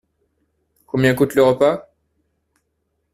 Combien coûte le repas ?